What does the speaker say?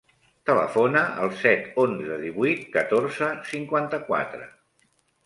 Telefona al set, onze, divuit, catorze, cinquanta-quatre.